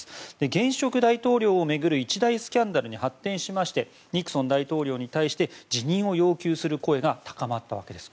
現職大統領を巡る一大スキャンダルに発展しましてニクソン大統領に対して辞任を要求する声が高まったわけです。